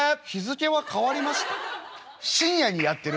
深夜にやってる？